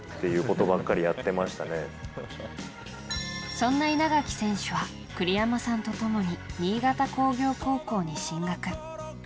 そんな稲垣選手は栗山さんと共に新潟工業高校に進学。